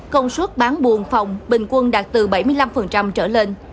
công suất bán buồn phòng bình quân đạt từ bảy mươi năm trở lên